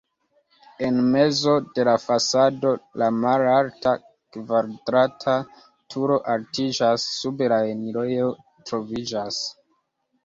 En mezo de la fasado la malalta, kvadrata turo altiĝas, sube la enirejo troviĝas.